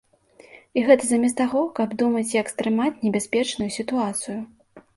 І гэта замест таго, каб думаць, як стрымаць небяспечную сітуацыю.